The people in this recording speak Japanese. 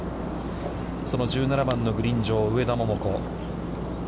その１７番のグリーン上、上田桃子。